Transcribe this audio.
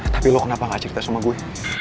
tapi lo kenapa gak cerita sama gue